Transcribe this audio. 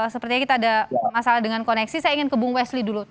sepertinya kita ada masalah dengan koneksi saya ingin ke bung westli dulu